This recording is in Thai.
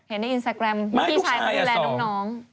ในอินสตาแกรมพี่ชายเขาดูแลน้อง